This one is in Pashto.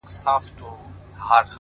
نو زه له تاسره!!